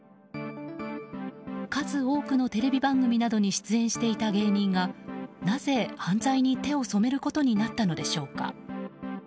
数多くのテレビ番組などに出演していた芸人がなぜ犯罪に手を染めることになったのでしょうか。